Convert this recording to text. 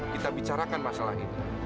kita bicarakan masalah ini